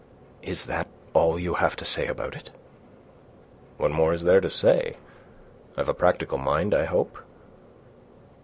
"Is that all you have to say about it?" "What more is there to say? I've a practical mind, I hope."